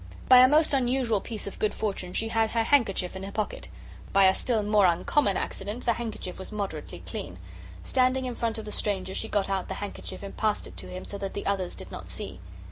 By a most unusual piece of good fortune she had a handkerchief in her pocket. By a still more uncommon accident the handkerchief was moderately clean. Standing in front of the stranger, she got out the handkerchief and passed it to him so that the others did not see.